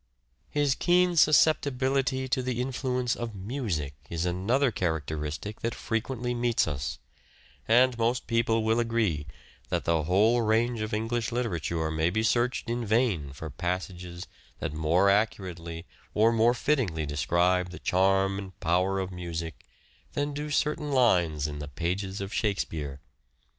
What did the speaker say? His keen susceptibility to the influence of music Music, is another characteristic that frequently meets us ; and most people will agree that the whole range of English literature may be searched in vain for passages that more accurately or more fittingly describe the charm and power of music than do certain lines in the pages of Shakespeare.